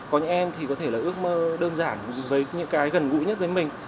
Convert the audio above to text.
có những em thì có thể là ước mơ đơn giản với những cái gần gũi nhất với mình